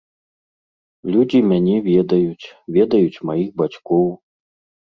Людзі мяне ведаюць, ведаюць маіх бацькоў.